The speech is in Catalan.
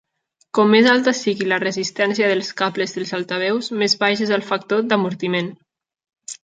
Com més alta sigui la resistència dels cables dels altaveus, més baix és el factor d'amortiment.